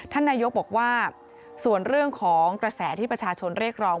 ท่านนายกบอกว่าส่วนเรื่องของกระแสที่ประชาชนเรียกร้อง